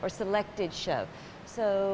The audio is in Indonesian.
atau menyeleksi pertunjukan